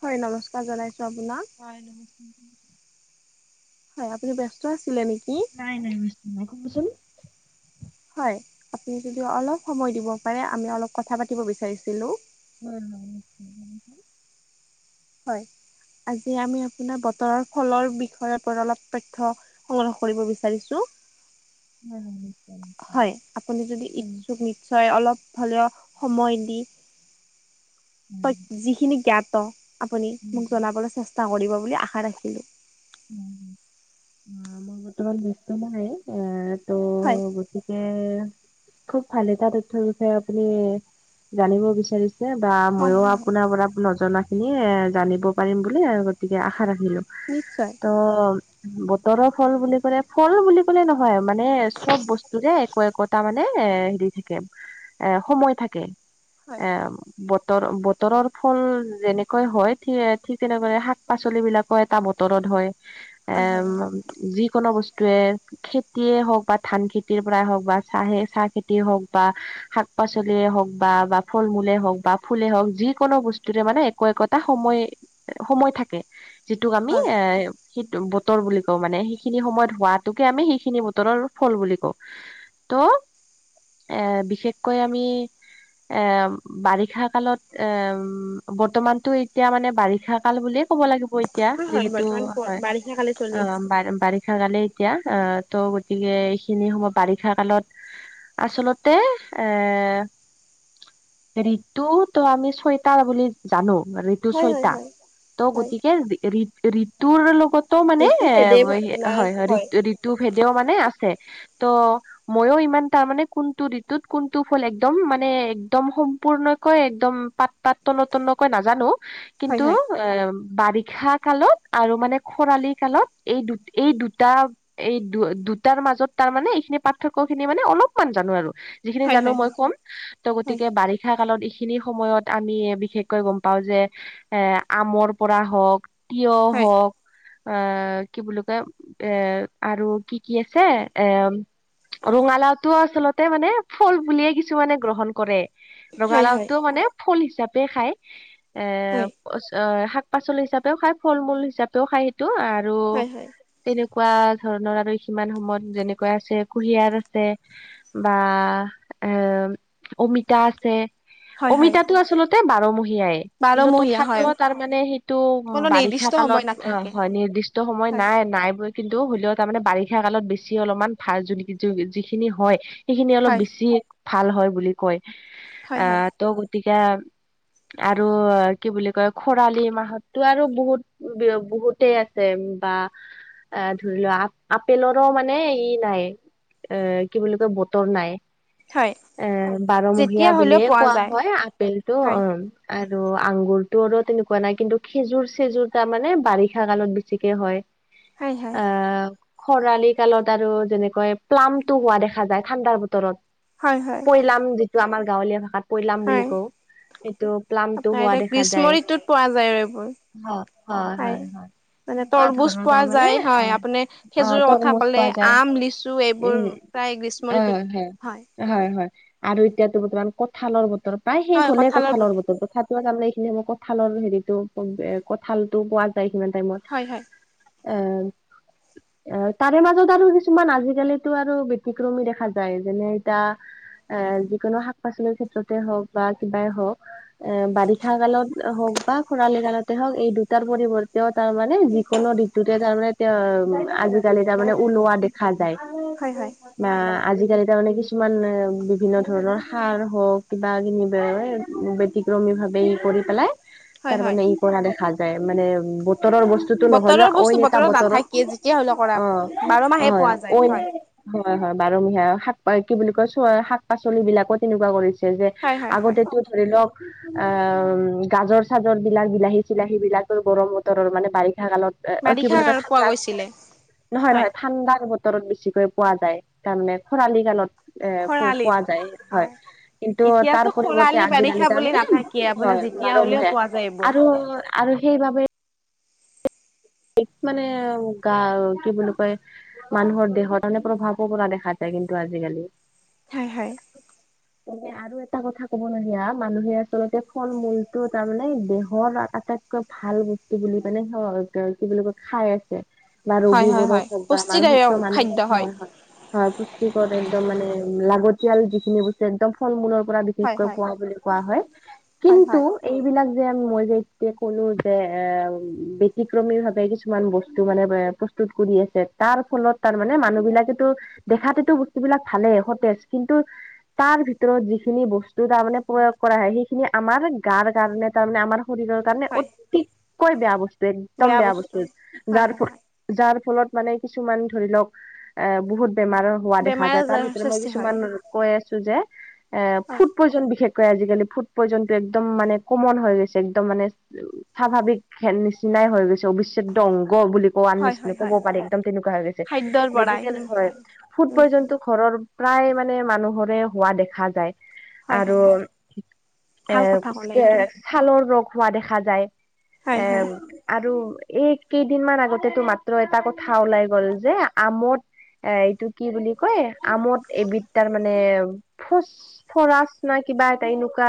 হয় নমস্কাৰ জনাইছোঁ আপোনাক হয়, নমস্কাৰ হয় আপুনি ব্যস্ত আছিলে নেকি নাই নাই ব্যস্ত নাই কবচোন হয় আপুনি যদি অলপ সময় দিব পাৰে আমি অলপ কথা পাতিব বিচাৰিছিলোঁ [inaudible] হয়। আজি আমি আপোনাৰ বতৰ ফলৰ বিষয় অলপ তথ্য সংগ্ৰহ কৰিব বিচাৰিছোঁ। হয় নিকী। হয় আপোনি যদি ইচ্ছুক নিশ্চয় অলপ হলেওঁ সময় দি হয় তই যিখিনি জ্ঞাত আপুনি উম মোক জনাবলৈ চেষ্টা কৰিব বুলি আশা ৰাখিলোঁ। উম, মই বৰ্তমান বস্তু নহয় আহ ত হয় গতি এ খুব ভাল এটা তথ্যয়ৰ বিষয়ে আপুনি জানিব বিচাৰিছে। বা হয় হয় মইও হয় অপোনাৰ পৰা নজনা এনেই জানিব পাৰিম বুলী গতিকে আশা ৰাখিলোঁ। নিশ্চয়। অ বতৰৰ ফল বুলি কলে ফল বুলি ক'লে নহয় মানে চব বস্তু ৰে একো একোটা মানে ৰে এ হেৰি থাকে, এ সময় থাকে। হয় এম বতৰ বতৰৰ ফল যেনেকৈ হয়, ঠিক তেনেকৈ শাক পাচলি বিলাকো এটা বতৰত হয়, হয় হয় এম হয় যিকোনো বস্তুৱে খেতিয়ে হওক বা ধান খেতিৰ পৰাই হওক বা চাহে চাহ খেতিয়ে হওক বা শাক পাচলিয়ে হওক বা বা ফল মূলে হওক বা ফুলে হওক যিকোনো বস্তুৰে মানে একো একোটা সময় সময় থাকে যিটোক আমি হয় এ সেইটো বতৰ বুলি কওঁ মানে সেইখিনি সময়ত হোৱাাতোকে আমি সেইখিনি বতৰৰ ফল বুলি কওঁ। ত এ বিশেষকৈ আমি এ বাৰিষা কালত এ বৰ্তমানতো এতিয়া মানে বাৰিষা কাল বুলি ক'ব লাগিব এতিয়া, হয় হয় যিহেতু বৰ্তমান হয় বাৰিষা কালি অ চলি [inaudible] বা বাৰিষা কালি এতিয়া ত গতিকে এইখিনি সময় বাৰিষা কালত আচলতে এ ঋতু তো আমি ছয়তাৰ বুলি জানোঁ। ঋতু হয় হয় ছয়তা, হয় ত হয় গতিকে ঋ ঋতুৰ লগত ত মানে যিটো এ বেদেই হয় আপোনাৰ হয়, ঋ ঋতু ভিডিঅ মানে আছেঁ ত মইও ইমান তাৰমানে কোনটো ঋতুত কোনটো ফুল একদম মানে একদম সম্পূৰ্ণকৈ একদম পাত পাত তলকৈ নাজানো হয় কিন্তু হয় এ বাৰিষা কালত আৰু মানে খৰালি কালত এই দু এই দুটা এই দু দুটাৰ মাজত তাৰ মানে এইখিনি পাৰ্থক্য খিনি মানে অলপমান জানো আৰু। যিখিনি হয় জানো হয় মই কম হয় ত'গতিকে বাৰি ষা কালত এইখিনি সময়ত আমি বিশেষকৈ গম পাওঁ যে এ আমৰ পৰা হওক তিয়হঁ হয় হওঁক আ কি বুলি কয়, এ আৰু কি কি আছে, এম ৰঙালাও তোও আচলতে মানে ফল বুলিয়ে কিছুমানে গ্ৰহণ কৰে। হয় হয় ৰঙালাওটো মানে ফুল হিচাপে খাই। এ হয় শাক পাচলি হিচাপেও খায়, ফল মূল হিচাপেও খায় সেইটো আৰু হয় হয় হয় তেনেকুৱা ধৰণৰ আৰু সিমান সময়ত যেনেকুৱা আছে, কুঁহিয়াৰ আছে বা এ অমিতা আছে। হয় হয় অমিতাটো আচলতে বাৰমহীয়াই। কিন্তু বাৰমহীয়া হয় তথাপিও তাৰ মানে সেইটো উ কোনো বাৰিষা নিৰ্দিষ্ট কালত সময় অ নাথাকে হয় নিৰ্দিষ্ট সময় হয় নাই নাই বুলি কিন্তু হ'লেও তাৰমানে বাৰিষা কালত বেছি অলপমান ভাল যোন যো-যিখিনি হয় সেইখিনি অলপ হয় বেছি ভাল হয় বুলি কয়, হয় আ, হয় ত' গতিকে আৰু কি বুলি কয় খৰালি মাহততো আৰু বহুত বিয় বহুতেই আছে বা এ, ধৰি লোৱা আ-আপেলৰো মানে ই নাই এ, কি বুলি কয় বতৰ নাই। হয় এ, বাৰমহীয়া যেতিয়া হ'লেও বুলিয়ে পোৱা কোৱা যায় হয় আপেলটো হয় অ'। আৰু আংগুৰটো আৰু তেনেকুৱা নাই কিন্তু খেজুৰ চেজুৰ তাৰমানে বাৰিষা কালত বেছিকে হয়। হয় হয় আ খৰালি কালত আৰু যেনেকৈ প্লামটো হোৱা দেখা যায় ঠাণ্ডাৰ বতৰত হয় হয়। প্লাম যিটো আমাৰ গাঁৱলীয়া ভাষাত পইলাম বুলি হয় কওঁ। সেইটো প্লামটো আপোনাৰ হোৱা এতিয়া দেখা গ্ৰীষ্ম যায় ঋতুত পোৱা যায় আৰু এইবোৰ হয়। হয় মানে সেনেকুৱা তৰমুজ ধৰণৰ পোৱা তাৰমানে যায়, এ হয় আপুনি খেজুৰৰ কথা তৰমুজ কলে, পোৱা যায় আম লিচু এইবোৰ। উম প্ৰায় গ্ৰীষ্ম ঋতুত হয়। হয় হয়, আৰু এতিয়াতো বৰ্তমান কঠালৰ বতৰ, প্ৰায় শেষ হলেই কঁঠালৰ বতৰ তথাপ তোমাৰ তাৰমানে এইখিনি সময়ত কঠালৰ হেৰিটো এ, কঁঠালটো পোৱা যায় সিমান টাইমত। হয় হয়। আ [inaudible] অ' তাৰে মাজত আৰু কিছুমান আজিকালিতো আৰু বতিক্ৰমী দেখা যায় যেনে এতা এ, যিকোনো শাক পাচলিৰ ক্ষেত্ৰতে হওঁক বা কিবাই হওঁক এ, বাৰিষা কালত হওঁক বা খৰালি কালতে হওঁক এই দুটাৰ পৰিৱৰ তেওঁ তাৰ মানে যিকোনো ঋতুতে তাৰমানে তে, আজিকালি তাৰমানে ওলোৱা দেখ খা যায়। হয় হয় বা আজিকালি তাৰমানে কিছুমান বিভিন্ন ধৰণৰ সাৰ হওঁক কিবা কিনিব এ ব্যতিক্ৰমী ভাৱে ই কৰি পেলাই হয় হয় তাৰমানে ই কৰা দেখা যায় মানে বতৰৰ বস্তু টোটো বতৰৰ নহ'লেও অইন বস্তু এটা বতৰত নাথাকে যেতিয়া হ'লেও কৰা বাৰ মাহে অ' হয় পোৱা যায় অইন হয়। হয় হয়, বাৰমহীয়া শাক পা কি বুলি কয়, চ শাক পাচলিবিলাকো তেনেকুৱা কৰিছে। যে হয় হয় হয় আগতেতো ধৰি লওঁক এ, গাজৰ চাজৰবিলাক, বিলাহী চিলাহীবিলাকৰ গৰমত বতৰৰ মানে বাৰিষা কালত এ, কি বাৰিষা বুলি কয় কালত পোৱা ঠাণ্ডাত, গৈছিলে নহয় হয়। নহয় ঠাণ্ডাৰ বত তৰত বেছিকৈ পোৱা যায়, তাৰমানে শৰালী কালত। এ, পো-পোৱা খৰালিত যায় হয় কিন্তু তাৰ এতিয়াতো পৰিৱৰ্তে খৰালি আজিকালি বাৰিষা বুলি তাৰমানে নাথাকে আপোনাৰ হয় যেতিয়া হ'লেও বাৰমাহে। পোৱা যায় এইবোৰ। আৰু, আৰু সেইবাবে এই মানে গা কি বুলি কয় মানুহৰ দেহত মানে প্ৰভাৱো পৰা দেখা যায় কিন্তু আজিকালি। হয় হয়। মানে আৰু এটা কথা ক'বলগীয়া মানুহে আচলতে ফল মূলটো তাৰমানে দেহৰ আটাইত কৈ ভাল বস্তু বুলি পেলাই অ' ক কি বুলি কয় খাই আছে। বা হয় হয় হয় ৰোগীবোৰক হওঁক বা আমাৰ পুষ্টিদায়ক সুস্থ মানুহ, খাদ্য হয় হয়। হয় পুষ্টিকৰ একদম মানে লাগতিয়াল যিখিনি বস্তু একদম ফল মূলৰ পৰা হয় বিশেষকৈ হয় পোৱা বুলি কোৱা হয় হয় কিন্তু হয়। এইবিলাক যে মই যে এতিয়া ক'লো যে এ, বে ব্যতিক্ৰমী ভাৱে কিছুমান বস্তু মানে পে প্ৰস্তুত কৰি আছে তাৰ ফলত তাৰমানে মানুহ বিলাকেতো দেখাতেতো বস্তুবিলাক ভালেই, সতেজ কিন্তু তাৰ ভিতৰত যিখিনি বস্তু, তাৰমানে প্ৰয়োগ কৰা হয়, সেইখিনি আমাৰ গাৰ কাৰণে, তাৰমানে আমাৰ শৰীৰৰ কাৰণে হয় অতিকৈ বেয়া বস্তু, একদম বেয়া বস্তু, হয় যাৰ হয় হয় যাৰফলত মানে কিছুমান ধৰি লওক, এ বহুত বেমাৰ হোৱা দেখা বেমাৰ যায়, তাৰ আজাৰৰ ভিতৰত মই সৃষ্টি হয়। কিছুমান কৈ আছো যে, এ হয় ফুট পইজন বিশেষকৈ আজিকালি, ফুড পইজনটো একদম মানে কমন হৈ গৈছে, একদম মানে স্বাভাৱিক নিচিনাই হৈ গৈছে, অবিচ্ছেদ্য অংগ বুলি হোৱাৰ হয় নিচিনা, হয় কৱ হয় পাৰি, একদম তেনেকুৱা হৈ গৈছে, খাদ্যৰ পৰাই মেডিকেল উম হয়, ফুড উম পইজনটো ঘৰৰ প্ৰায় মানে মানুহৰে হোৱা দেখা যায়। হয় আৰু হয় হয় এ, ভাল কথা ক'লে এইটো [unintelligible] ছালৰ ৰোগ হোৱা দেখা যায়, এ হয় হয় আৰু এই কেইদিনমান আগতেতো মাত্ৰ এটা কথা ওলাই গ'ল যে, আমত এ এইটো কি বুলি কয়? আমত এবিধ তাৰ মানে ফোজ ফৰাচ না কিবা এটা, এনেকুৱা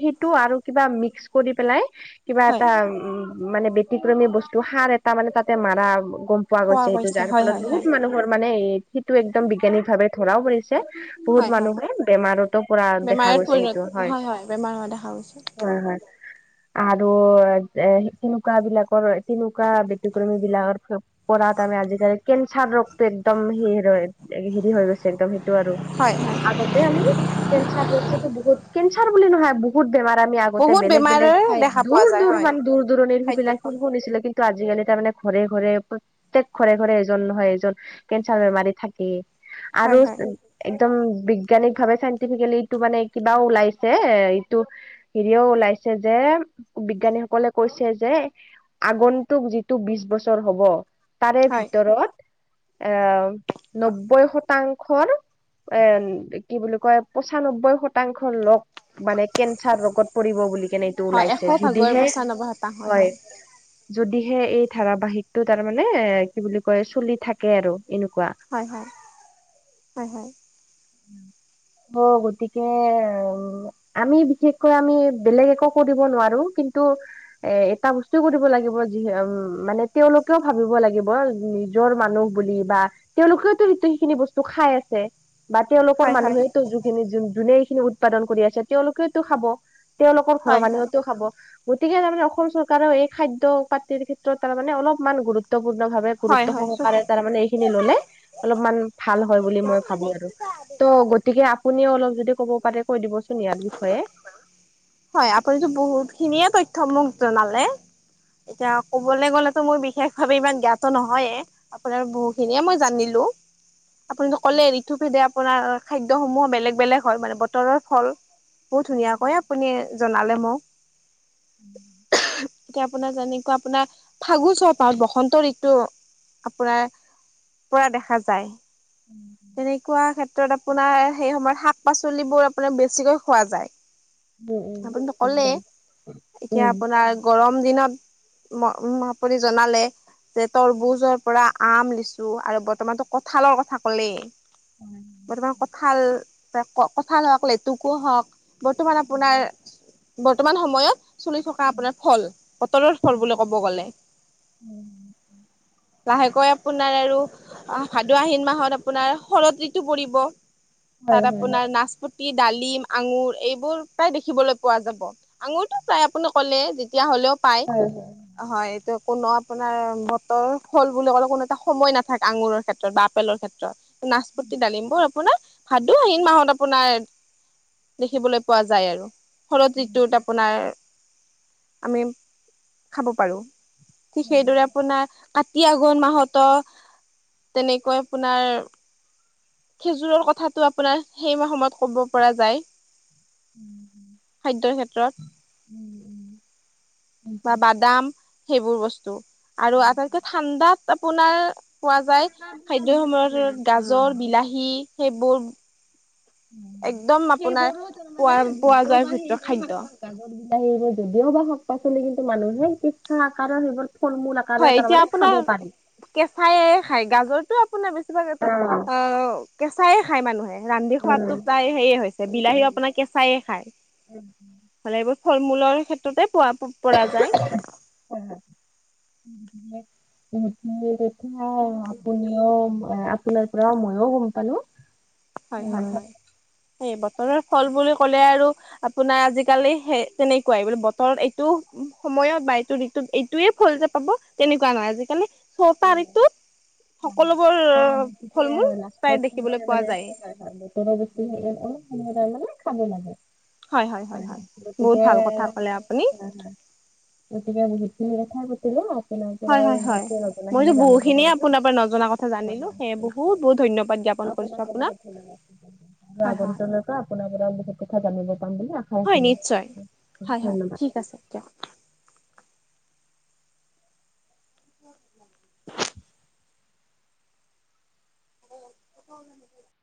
সেইটো আৰু কিবা মিক্স কৰি পেলাই কিবা হয়। এটা মানে বতিক্ৰমী বস্তু, সাৰ এটা মানে তাতে মাৰা গম পোৱা গৈছে সেইটো, যাৰ হয় ফলত হয় হয় বহুত মানুহৰ মানে সেইটো একদম বিজ্ঞানিক ভাৱে ধৰাও পৰিছে। বহুত হয় হয় মানুহে বেমাৰতো পৰা দেখা বেমাৰত গৈছে পৰিণত সেইটো, হয়। বেমাৰ হোৱা দেখা গৈছে হয় হয় আৰু সেইখিন তেনেকুৱা বিলাকৰ, তেনেকুৱা ব্যতিক্ৰমী বিলাকৰ পৰা তাৰে আজিকালি কেঞ্চাৰ ৰোগটো একদম হি হেৰি হৈ গৈছে, একদম সেইটো আৰু। হয়। আগতে আমি কেঞ্চাৰ ৰোগটোতো বহুত, কেঞ্চাৰ বুলি নহয়, বহুত বহুত বেমাৰ আমি আগতে বহুত বেলেগ বেলেগ বেমাৰৰ ঠাই, দেখা পোৱা দূৰ যায় দূৰ হয় মান, দূৰ দূৰণিৰ খাদ্যৰ সেইবিলাকখন ফলত শুনিছিলো কিন্তু আজিকালি তাৰমানে ঘৰে ঘৰে, প্ৰত্যেক ঘৰে ঘৰে এজন নহয় এজন কেঞ্চাৰ বেমাৰী থাকেই। আৰু হয় হয় একদম বিজ্ঞানিক ভাৱে, চাইণ্টিফিকেলি ইটো মানে কিবাও ওলাইছে, এইটো হেৰিওঁ ওলাইছে যে, বিজ্ঞানীসকলে কৈছে যে আগন্তুক যিটো বিশ বছৰ হব, তাৰেই হয় ভিতৰত আহ, নব্বৈ শতাংশৰ এ কি বুলি কয়? পচানব্বৈ শতাংশ লোক মানে কেঞ্চাৰ ৰোগত পৰিব বুলি কেনে এইটো হয় এশ ওলাইছে, ভাগৰ যদিহে, পঁচান্নব্বৈ শতাংশ হয়। [inaudible] যদিহে এই ধাৰাবাহিকতটো তাৰমানে এ কি বুলি কয়? চলি থাকে আৰু, এনেকুৱা। হয় হয়, হয় হয়। অ', গতিকে আমি বিশেষকৈ আমি, বেলেগ একো কৰিব নোৱাৰো কিন্তু এ এটা বস্তু কৰিব লাগিব, যি উম, মানে তেওঁলোকেও ভাবিব লাগিব নিজৰ মানুহ বুলি বা, তেওঁলোকেও সেইটো সেইখিনি বস্তু খাই আছে। বা তেওঁলোকৰ হয় হয় হয় মানুহেইটো যোনখিনি, যোনে এইখিনি উৎপাদন কৰি আছে, তেওঁলোকেওটো খাব। তেওঁলোকৰ ঘৰৰ হয় মানুহেউটো খাব। গতিকে তাৰমানে অসম চৰকাৰেও এই খাদ্য পাতিৰ ক্ষেত্ৰত তাৰমানে অলপমান গুৰুত গুৰুত্বপূৰ্ণভাৱে, হয় হয় গুৰুত্ব হয় চ সহকাৰে তাৰমানে এইখিনি ললে, অলপমান ভাল হয় বুলি মই ভাবো আৰু। ত' গতিকে আপুনিও অলপ যদি ক'ব পাৰে, কৈ দিবচোন ইয়াৰ বিষয়ে। হয়, আপুনিটো বহুত খিনিয়েই তথ্য মোক জনালে। এতিয়া কবলৈ গ'লেতো মোৰ বিশেষ ভাৱে ইমান জ্ঞাত নহয়েই। আপোনাৰ বহুখিনিয়েই মই জানিলো। আপুনিটো ক'লে ঋতুভেদে আপোনাৰ খাদ্যসমূহ বেলেগ বেলেগ হয় মানে বতৰৰ ফল, বহুত ধুনীয়া কৈ আপুনি জনালে মোক। [inaudible] এতিয়া আপোনাৰ যেনেকুৱা আপোনাৰ ফাগু [unintelligible] চহপাত বসন্ত ঋতু আপোনাৰ পৰা দেখা যায়। [inaudible] তেনেকুৱা ক্ষেত্ৰত আপোনাৰ, সেই সময়ত আপোনাৰ শাক-পাচলিবোৰ বেছিকৈ খোৱা যায়। উম উম আপুনিটো ক'লেই, একদম এতিয়া আপোনাৰ, গৰম দিনত ম আপুনি জনালে, যে তৰবুজৰ পৰা, আম, লিচু আৰু বৰ্তমানতো কঠালৰ কথা ক'লেই, বৰ্তমান কঠাল, কঠাল হওক, লেটুকো হওক, বৰ্তমান আপোনাৰ বৰ্তমান সময়ত। চলি থকা আপোনাৰ ফল, বতৰৰ ফল বুলি কব গ'লে। লাহেকৈ আপোনাৰ আৰু ভাদ- আহিন মাহত আ আপোনাৰ শৰৎ ঋতু পৰিব। তাত অপোনাৰ নাচপতি, ডালিম, আঙুৰ এইবোৰ প্ৰায় দেখিবলৈ পোৱা যাব। আঙুৰটো প্ৰায় আপুনি ক'লে, যেতিয়া হ'লেও পায়। হয়, এইটো কোনো আপোনাৰ বতৰৰ ফল বুলি ক'লে, কোনো এটা সময় নাথাকে, আঙুৰৰ ক্ষেত্ৰত বা আপেলৰ ক্ষেত্ৰত। নাচপতি, ডালিমবোৰ আপোনাৰ, ভাদ- আহিন মাহত আপোনাৰ দেখিবলৈ পোৱা যায় আৰু। শৰৎ ঋতুত আপোনাৰ আমি খাব পাৰোঁ। ঠিক সেইদৰে, আপোনাৰ কাতি-আঘোণ মাহতো তেনেকৈ আপোনাৰ। খেজুৰৰ কথাটো আপোনাৰ সেই মাহ সময়ত ক'ব পৰা যায়। [inaudible] খাদ্যৰ ক্ষেত্ৰত। বা বাদাম সেইবোৰ বস্তু আৰু আটাইতকে ঠাণ্ডাত আপোনাৰ, পোৱা যায়। খাদ্য-সম্ভাৰৰ ভিতৰত গাজৰ, বিলাহী সেইবোৰ পো একদম আপোনাৰ পোৱা পোৱা যোৱাৰ ভিতৰত খাদ্য। [unintelligible] যদিও বা শাক পাচলি কিন্তু মানুহে [unintelligible] চিকিৎসা আকাৰৰ সেইবোৰ ফল মূল। [unintelligible] খাব পাৰি। কেঁচাইে খাই, গাজৰটো আপোনাৰ বেছিভাগ এতিয়া অ', কেঁচাইয়ে খায় মানুহে। ৰান্ধি খোৱাতো প্ৰায় হেইয়ে হয়। বিলাহীও আপোনাৰ কেঁচাই খায়, হলে এইবোৰ ফল মূলৰ ক্ষেত্ৰতে পোৱা পৰা যায়। উ [inaudible] [unintelligible] [unintelligible] আপুনিও আপোনাৰ পৰা মইও গম পালোঁ। হয়, হয়, হয়, এই বতৰ ফল বুলি ক'লে আৰু, আপোনাৰ আজিকালি সেই তেনেকুৱাই বোলো বতৰত এইটো সময়ত বা এইটো দি এইটোয়ে ফল যে পাব তেনেকুৱা নহয়। আজিকালি ছটা ঋতুত সকলোবোৰ ফল-মূল প্ৰায় দেখিবলৈ পোৱা যায়। [unintelligible] হয়, গতিকে বহুত ভাল কথা ক'লে আপুনি হয়, হয়। হয় [unintelligible] হয় হয় [unintelligible] মইতো জানিব বহুখিনিয়ে পাৰিব। আপোনাৰ পৰা নজনা কথা জানিলো সেয়ে বহুত নিশ্চয়, বহুত ধন্যবাদ জ্ঞাপন কৰিছো আপোনাকো আপোনাক বহুত ধন্যবাদ। [unintelligible] হয় হয় আগন্তুলৈকে আপোনাৰ পৰা বহুত কথা জানিব পাম বুলি আশা হয় ৰাখিলোঁ। নিশ্চয় হয় হয় ধন্যবাদ। ঠিক আছে, দিওক। [inaudible] ক [inaudible]